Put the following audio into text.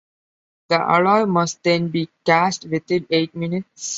The alloy must then be cast within eight minutes.